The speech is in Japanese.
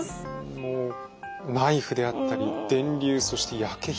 もうナイフであったり電流そして焼け火箸とね